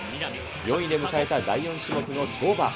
４位で迎えた第４種目の跳馬。